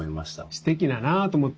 すてきだなと思って。